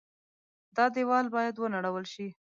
دا دېوال باید ونړول شي.